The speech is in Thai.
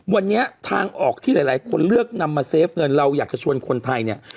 วันนี้ทางออกที่หลายคนเลือกนำมาเซฟเงินเราอยากจะชวนคนไทยเนี่ย